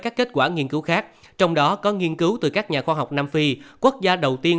các kết quả nghiên cứu khác trong đó có nghiên cứu từ các nhà khoa học nam phi quốc gia đầu tiên